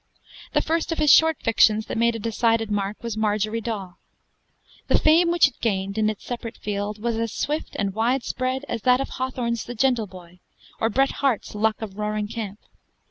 The first of his short fictions that made a decided mark was 'Marjorie Daw.' The fame which it gained, in its separate field, was as swift and widespread as that of Hawthorne's 'The Gentle Boy' or Bret Harte's 'Luck of Roaring Camp.'